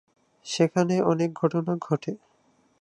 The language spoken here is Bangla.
সেখানে অনেক ঘটনা ঘটে।